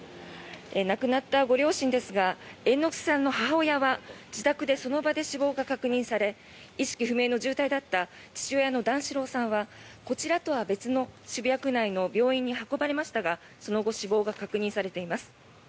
亡くなったご両親ですが猿之助さんの母親は自宅でその場で死亡が確認され意識不明の重体だった父親の段四郎さんはこちらとは別の渋谷区内の病院に運ばれましたがその後死亡が確認されています。